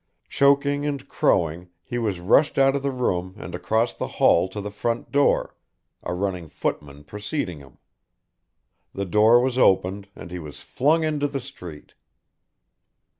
Choking and crowing he was rushed out of the room and across the hall to the front door, a running footman preceding him. The door was opened and he was flung into the street.